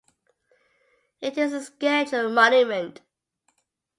It is a scheduled monument.